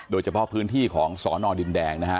โดยเฉพาะพื้นที่ของสอนอดินแดงนะฮะ